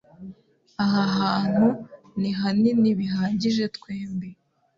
Aha hantu ni hanini bihagije twembi.